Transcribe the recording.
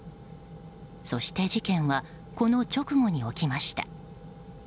そして、事件はこの直後に起きました。